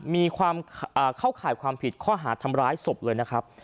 มีความเข้าข่ายความผิดข้อหาทำร้ายศพเลยนะครับ